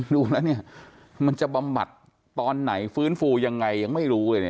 ดูแล้วเนี่ยมันจะบำบัดตอนไหนฟื้นฟูยังไงยังไม่รู้เลยเนี่ย